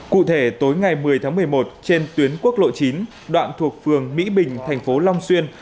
cụ thể tối ngày một mươi tháng một mươi một trên tuyến quốc lộ chín đoạn thuộc phường mỹ bình thành phố long xuyên